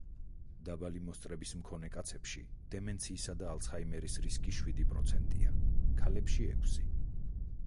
დაბალი მოსწრების მქონე კაცებში დემენციისა და ალცჰაიმერის რისკი შვიდი პროცენტია, ქალებში – ექვსი.